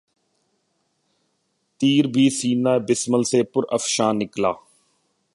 تیر بھی سینہٴ بسمل سے پر افشاں نکلا